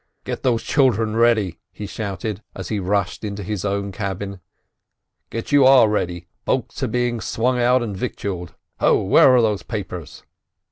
"Get those children ready!" he shouted, as he rushed into his own cabin. "Get you all ready—boats are being swung out and victualled. H l! where are those papers?"